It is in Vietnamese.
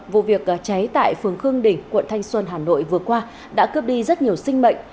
vụ việc cháy tại phường khương đình quận thanh xuân hà nội vừa qua đã cướp đi rất nhiều sinh mệnh